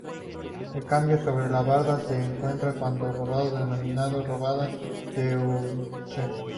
En cambio sobre la barda se encuentra canto rodado denominado rodado tehuelche.